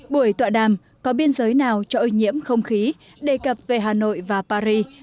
buổi tọa đàm có biên giới nào cho ô nhiễm không khí đề cập về hà nội và paris